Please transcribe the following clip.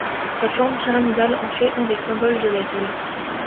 Sa forme pyramidale en fait un des symboles de la ville.